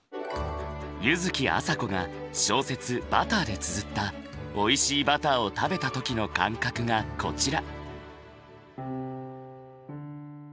柚木麻子が小説「ＢＵＴＴＥＲ」でつづったおいしいバターを食べた時の感覚がこちら。